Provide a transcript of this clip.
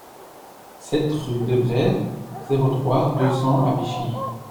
sept rue Desbrest, zéro trois, deux cents à Vichy